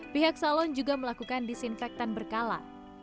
pihak salon juga melakukan disinfektan berkala